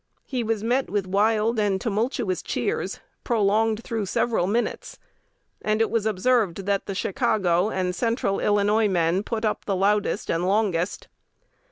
He was met with wild and tumultuous cheers, prolonged through several minutes; and it was observed that the Chicago and Central Illinois men put up the loudest and longest.